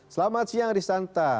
selamat siang risanta